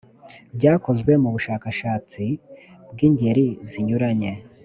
byakozwe mubushakashatsi bw ingeri zinyuranye